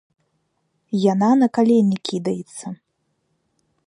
Яна на калені кідаецца.